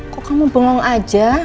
kok kamu bengong aja